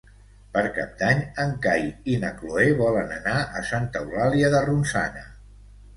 Per Cap d'Any en Cai i na Cloè volen anar a Santa Eulàlia de Ronçana.